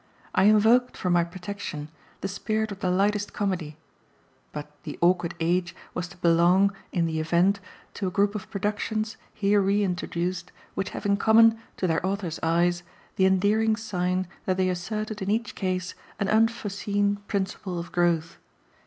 I invoked, for my protection, the spirit of the lightest comedy, but "The Awkward Age" was to belong, in the event, to a group of productions, here re introduced, which have in common, to their author's eyes, the endearing sign that they asserted in each case an unforeseen principle of growth.